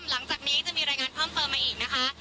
หลังจากนี้จะมีรายงานเพิ่มเติมมาอีกนะคะ